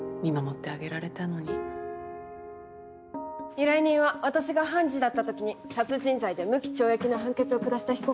依頼人は私が判事だった時に殺人罪で無期懲役の判決を下した被告人なの。